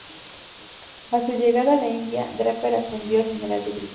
A su llegada a la India, Draper ascendió a general de brigada.